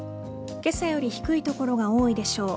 けさより低い所が多いでしょう。